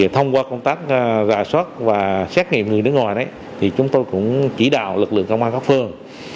thông qua công tác rà soát và xét nghiệm người nước ngoài chúng tôi cũng chỉ đào lực lượng công an khắp phương